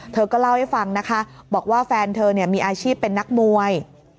เธอก็เล่าให้ฟังนะคะบอกว่าแฟนเธอมีอาชีพเป็นนักมวย